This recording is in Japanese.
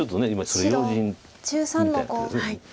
白１３の五。